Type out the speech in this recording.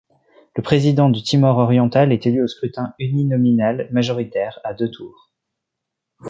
Le président du Timor oriental est élu au scrutin uninominal majoritaire à deux tours.